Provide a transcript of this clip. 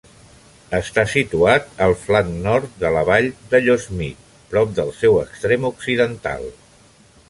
Està situat al flanc nord de la Vall de Yosemite, prop del seu extrem occidental.